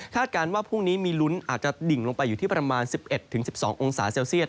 การว่าพรุ่งนี้มีลุ้นอาจจะดิ่งลงไปอยู่ที่ประมาณ๑๑๑๒องศาเซลเซียต